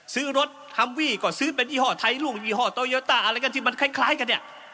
ซื้อรถฮัมวี่ก็ซื้อเป็นยี่ห้อไทยลูกยี่ห้อโตโยต้าอะไรกันที่มันคล้ายกันเนี่ย